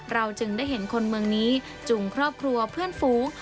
เราจึงได้เห็นคนเมืองนี้จุงครอบครัวเพื่อนฝูง